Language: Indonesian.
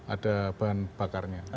ada bahan bakarnya